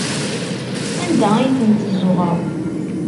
Anda ay ten-tezzuɣreḍ?